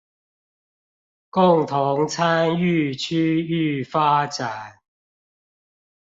共同參與區域發展